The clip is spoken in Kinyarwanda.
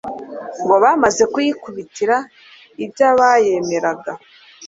ngo bamaze kuyikubitira ibyahay emeraga